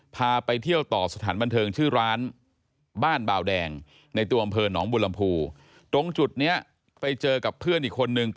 พาไปเที่ยวต่อสถานบันเทิงชื่อร้านบ้านเบาแดง